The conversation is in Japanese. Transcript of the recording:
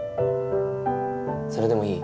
それでもいい？